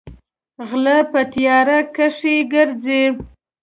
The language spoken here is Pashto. غلۀ پۀ تيارۀ کښې ګرځي ـ